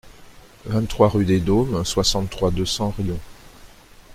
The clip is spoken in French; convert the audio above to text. vingt-trois rue des Dômes, soixante-trois, deux cents, Riom